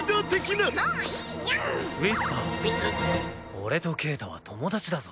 俺とケータは友達だぞ。